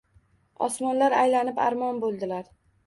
Osmonlar aylanib armon bo’ldilar…